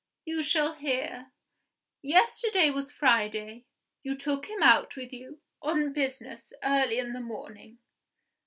"You shall hear. Yesterday was Friday. You took him out with you, on business, early in the morning."